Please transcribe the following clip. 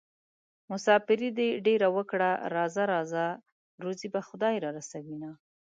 مساپري دې ډېره وکړه راځه راځه روزي به خدای رارسوينه